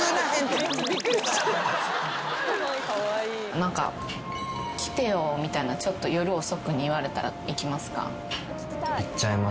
何か「来てよ」みたいなちょっと夜遅くに言われたら行きますか？